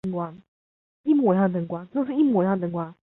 切扎里娜是巴西戈亚斯州的一个市镇。